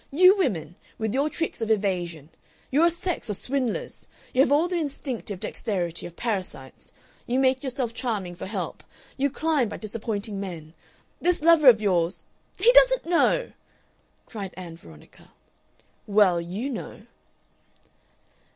You women, with your tricks of evasion, you're a sex of swindlers. You have all the instinctive dexterity of parasites. You make yourself charming for help. You climb by disappointing men. This lover of yours " "He doesn't know!" cried Ann Veronica. "Well, you know."